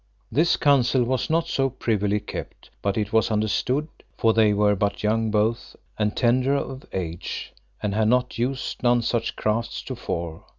This counsel was not so privily kept but it was understood; for they were but young both, and tender of age, and had not used none such crafts to fore.